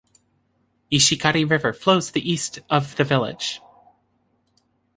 Ishikari River flows the east of the village.